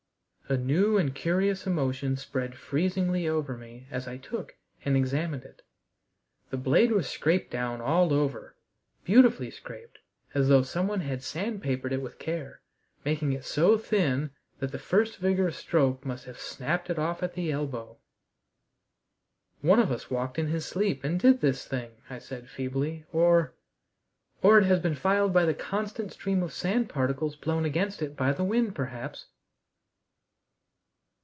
A new and curious emotion spread freezingly over me as I took and examined it. The blade was scraped down all over, beautifully scraped, as though someone had sand papered it with care, making it so thin that the first vigorous stroke must have snapped it off at the elbow. "One of us walked in his sleep and did this thing," I said feebly, "or or it has been filed by the constant stream of sand particles blown against it by the wind, perhaps."